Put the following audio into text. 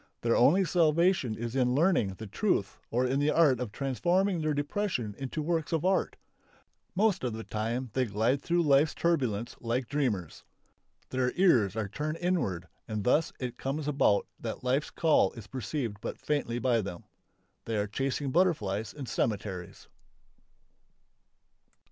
Their only salvation is in learning the truth or in the art of transforming their depression into works of art. Most of the time they glide through life's turbulence like dreamers. Their ears are turned inward and thus it comes about that life's call is perceived but faintly by them. They are chasing butterflies in cemeteries....